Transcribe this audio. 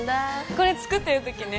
これ作ってる時ね